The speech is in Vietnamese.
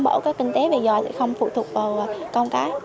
bảo các kinh tế về giỏi sẽ không phụ thuộc vào công tác